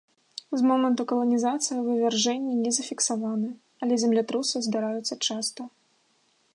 З моманту каланізацыі вывяржэнні не зафіксаваны, але землятрусы здараюцца часта.